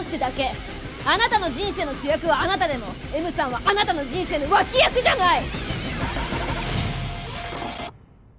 あなたの人生の主役はあなたでもＭさんはあなたの人生の脇役じゃない！